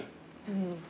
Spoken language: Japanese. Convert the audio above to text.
うん。